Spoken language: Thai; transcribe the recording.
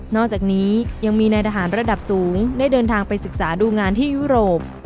อกจากนี้ยังมีนายทหารระดับสูงได้เดินทางไปศึกษาดูงานที่ยุโรป